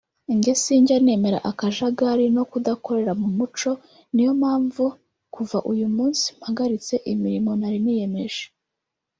Jye sinjya nemera akajagari no kudakorera mu muco niyo mpamvu kuva uyu munsi mpagaritse imirimo nari niyemeje